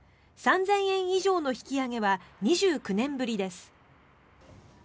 ３０００円以上の引き上げは２９年ぶりです。